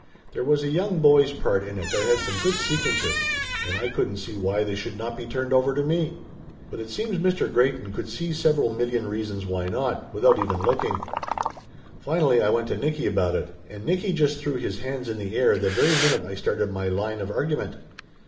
There was a young boy's part in it that had some good sequences, and I couldn't see why they should not be turned over to me. But it seems Mr Greyton could see several million reasons why not, without even looking. Finally I went to Nicky about it, and Nicky just threw his hands in the air the very minute I started my line of argument.